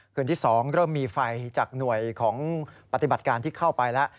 คืนที่๒เริ่มมีไฟจากหน่วยของปฏิบัติการที่เข้าไปแล้ว